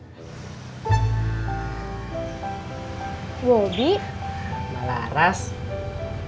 buat apapun orang yang lagi berehat latin